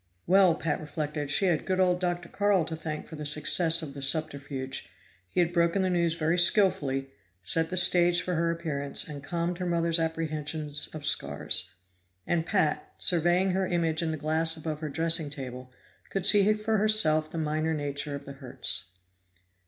Well, Pat reflected, she had good old Dr. Carl to thank for the success of the subterfuge; he had broken the news very skillfully, set the stage for her appearance, and calmed her mother's apprehensions of scars. And Pat, surveying her image in the glass above her dressing table, could see for herself the minor nature of the hurts.